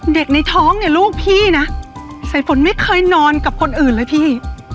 ในท้องเนี่ยลูกพี่นะสายฝนไม่เคยนอนกับคนอื่นเลยพี่